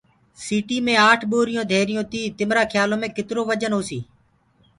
سيٚٽينٚ مي آٺ ٻوريٚونٚ ڌيريٚونٚ تيٚ تمرآ کيآلو مي ڪترو وجن هوسيٚ